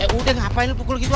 eh udah ngapain lu pukul gitu